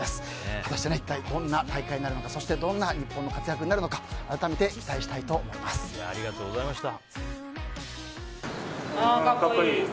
果たして、どんな大会になるのかどんな日本の活躍になるのかありがとうございました。